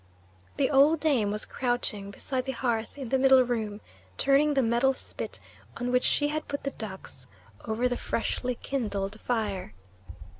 The old dame was crouching beside the hearth in the middle room, turning the metal spit, on which she had put the ducks, over the freshly kindled fire.